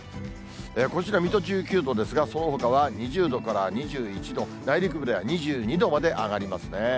こちら、水戸１９度ですが、そのほかは２０度から２１度、内陸部では２２度まで上がりますね。